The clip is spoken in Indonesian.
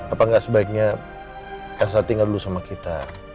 apa nggak sebaiknya elsa tinggal dulu sama kita